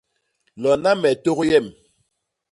Lona me tôk yem.